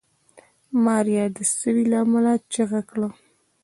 ماريا د سوي له امله چيغه کړه.